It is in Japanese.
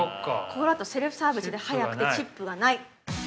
これだと、セルフサービスで早くて、チップがない。